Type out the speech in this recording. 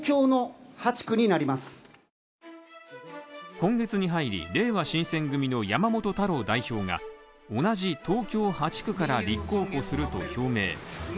今月に入りれいわ新選組の山本太郎代表が同じ東京８区から立候補すると表明。